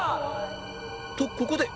とここで